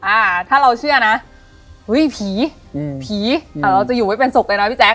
อ่าถ้าเราเชื่อนะอุ้ยผีผีเราจะอยู่ไม่เป็นสุขเลยนะพี่แจ๊ก